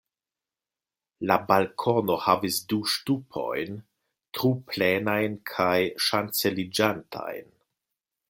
La balkono havis du ŝtupojn, truplenajn kaj ŝanceliĝantajn.